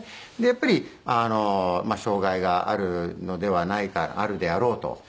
やっぱり障がいがあるのではないかあるであろうと。